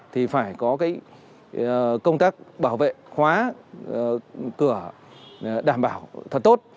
thì phải có công tác bảo vệ khóa cửa đảm bảo thật tốt